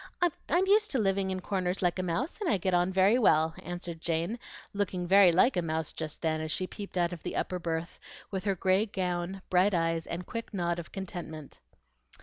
I'm used to living in corners like a mouse, and I get on very well," answered Jane, looking very like a mouse just then, as she peeped out of the upper berth, with her gray gown, bright eyes, and quick nod of contentment.